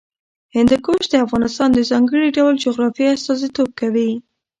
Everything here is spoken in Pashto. هندوکش د افغانستان د ځانګړي ډول جغرافیه استازیتوب کوي.